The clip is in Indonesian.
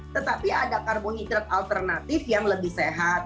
tetapi ada karbohidrat alternatif yang lebih sehat